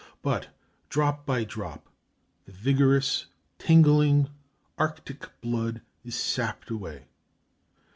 But drop by drop the vigorous, tingling, Arctic blood is sapped away.